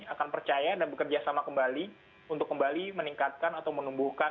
akan percaya dan bekerja sama kembali untuk kembali meningkatkan atau menumbuhkan